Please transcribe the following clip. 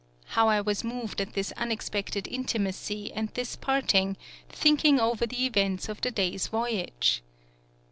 How I was moved at this unexpected intimacy and this parting, thinking over the events of the day's voyage!